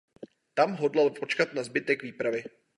Tam hodlal počkat na zbytek výpravy.